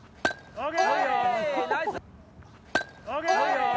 ＯＫ！